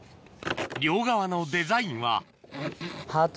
両側のデザインはハート。